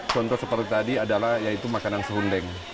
contoh seperti tadi adalah yaitu makanan sehundeng